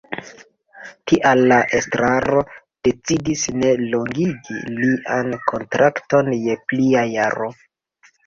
Tial la estraro decidis ne longigi lian kontrakton je plia jaro.